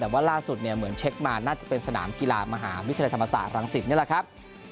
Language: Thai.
แต่ว่าล่าสุดเนี่ยเหมือนเช็คมาน่าจะเป็นสนามกีฬามหาวิทยาลัยธรรมศาสตรังสิตนี่แหละครับ